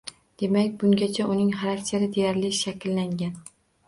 Demak, bungacha uning xarakteri deyarli shakllangan.